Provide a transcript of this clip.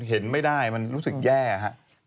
เห็นไม่ได้มันรู้สึกแย่หรือครับ